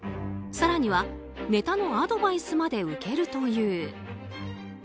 更には、ネタのアドバイスまで受けるという。